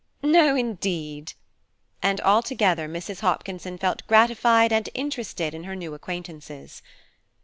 "No, indeed"; and altogether Mrs. Hopkinson felt gratified and interested in her new acquaintances.